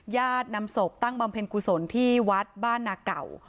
ญาตินำศพตั้งบำเพ็ญกุศลที่วัดบ้านนาเก่า